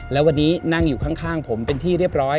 แล้ววันนี้นั่งอยู่ข้างผมเป็นที่เรียบร้อย